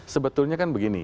sebetulnya kan begini